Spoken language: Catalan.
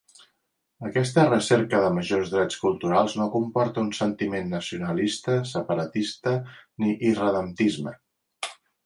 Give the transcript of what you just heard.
Aquesta recerca de majors drets culturals no comporta un sentiment nacionalista separatista ni irredemptisme.